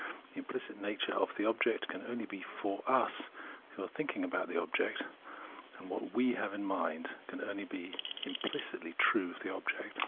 Tlie implicit nature of the object can only be "for us" who are tliinking about the object : and what m have in mind can only be implidtly true of the object.